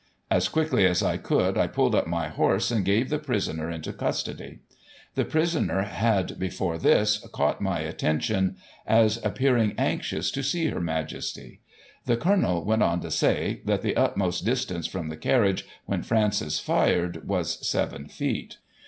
As quickly as I could, I pulled up my horse, and gave the prisoner into custody; The prisoner had, before this, caught my at tention as appearing anxious to see Her Majesty. The Colonel went on to say that the utmost distance from the carriage, when Francis fired, was seven feet.